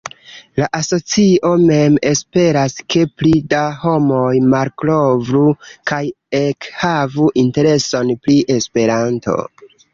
La asocio mem esperas ke pli da homoj malkovru kaj ekhavu intereson pri Esperanto.